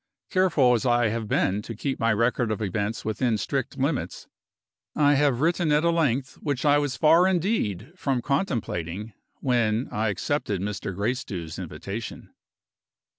Careful as I have been to keep my record of events within strict limits, I have written at a length which I was far indeed from contemplating when I accepted Mr. Gracedieu's invitation.